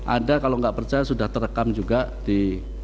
ada kalau nggak percaya sudah terekam juga di